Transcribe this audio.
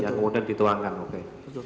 yang kemudian dituangkan oke